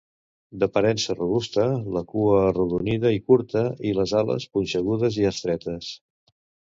D'aparença robusta, la cua arrodonida i curta, i les ales punxegudes i estretes.